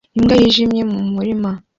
Imbwa yijimye mu murima